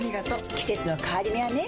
季節の変わり目はねうん。